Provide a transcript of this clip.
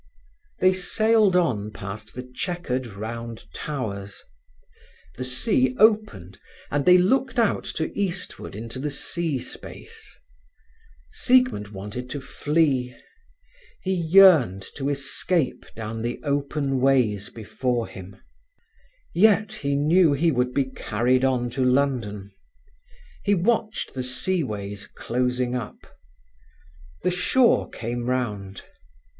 They sailed on past the chequered round towers. The sea opened, and they looked out to eastward into the sea space. Siegmund wanted to flee. He yearned to escape down the open ways before him. Yet he knew he would be carried on to London. He watched the sea ways closing up. The shore came round.